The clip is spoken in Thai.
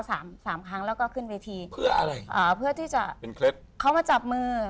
สามสามครั้งแล้วก็ขึ้นเวทีเพื่ออะไรอ่าเพื่อที่จะเป็นเคล็ดเขามาจับมือ